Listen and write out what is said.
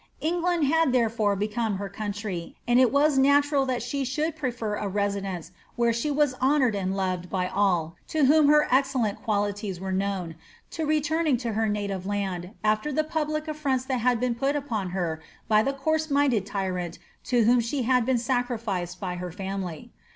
England had therefore become her country, and it was natural that she should prefer a residence where she was honoured and loved by all to whom her excellent qualities were known, to returning to her native land, aAcr the public afironts that had been put upon her by the coarse minded tyrant to whom she had been sacrificed by her family.